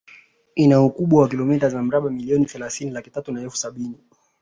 Ina ukubwa wa kilomita za mraba milioni thelathini laki tatu na elfu sabini